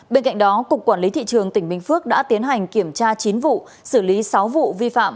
bên cạnh đó cục quản lý thị trường tỉnh bình phước đã tiến hành kiểm tra chín vụ xử lý sáu vụ vi phạm